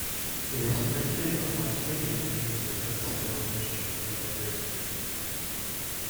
It is printed on Wednesday evening and is on sale or distributed on Thursday.